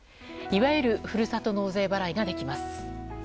いわゆるふるさと納税払いができます。